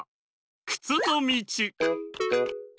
くつのみち！